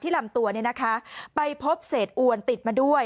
ลำตัวไปพบเศษอวนติดมาด้วย